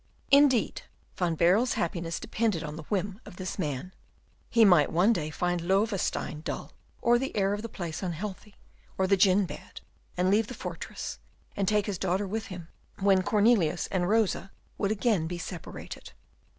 Indeed, Van Baerle's happiness depended on the whim of this man. He might one day find Loewestein dull, or the air of the place unhealthy, or the gin bad, and leave the fortress, and take his daughter with him, when Cornelius and Rosa would again be separated.